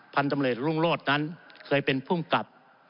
พันธุเหลกรุงโลศนั้นเคยเป็นผู้กับ